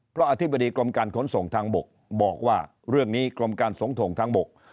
เพราะอธิบดีกรมการขนส่งทางบกบอกว่าเรื่องนี้กรมการส่งถงทางบก